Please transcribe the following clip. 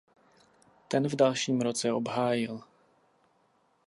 Ten v dalším roce obhájil.